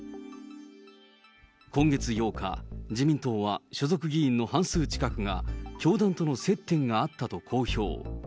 今月８日、自民党は所属議員の半数近くが、教団との接点があったと公表。